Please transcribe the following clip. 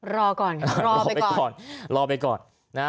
รอรอไปก่อน